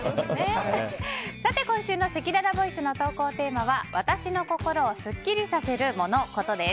今週のせきららボイスの投稿テーマは私の心をスッキリさせるモノ・コトです。